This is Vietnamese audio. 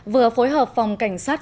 vừa phối hợp phòng cảnh sát